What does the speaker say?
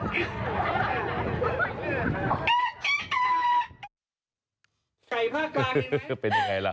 เป็นยังไงล่ะ